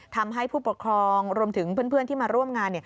ทำให้ผู้ปกครองรวมถึงเพื่อนที่มาร่วมงาน